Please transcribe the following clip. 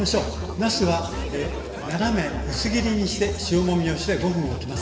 なすは斜め薄切りにして塩もみをして５分おきます。